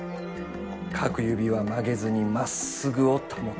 各指は曲げずに、真っ直ぐを保つ。